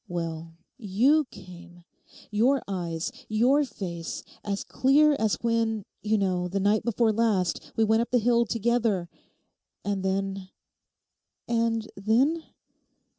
—well you came, your eyes, your face, as clear as when, you know, the night before last, we went up the hill together. And then...' 'And then?